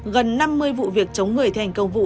gần năm mươi vụ việc chống người thành công vụ